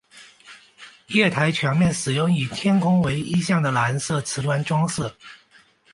月台墙面使用以天空为意象的蓝色磁砖装饰。